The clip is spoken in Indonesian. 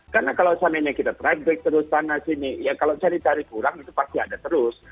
karena kalau samanya kita try break terus sana sini ya kalau cari cari kurang itu pasti ada terus